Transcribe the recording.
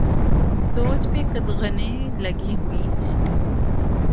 سوچ پہ قدغنیں لگی ہوئی ہیں۔